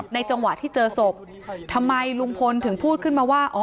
จังหวะที่เจอศพทำไมลุงพลถึงพูดขึ้นมาว่า